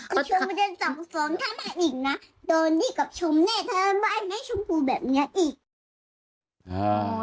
ก็สั่งสอนถ้าไม่อีกนะโดนดีกับชมเน่ทำไมไม่ชมกูแบบเนี้ยอีก